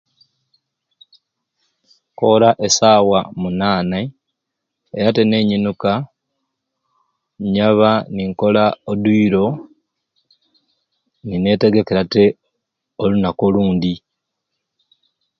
Nkoora esawa munanai era tte ninyinuka nyaba ninkola oduyiro ninetegekeera tte olunaku olundi.